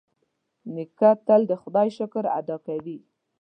نیکه تل د خدای شکر ادا کوي.